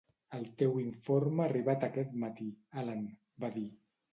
"El teu informe ha arribat aquest matí, Alan", va dir.